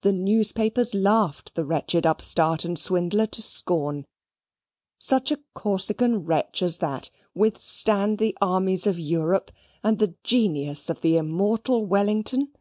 The newspapers laughed the wretched upstart and swindler to scorn. Such a Corsican wretch as that withstand the armies of Europe and the genius of the immortal Wellington!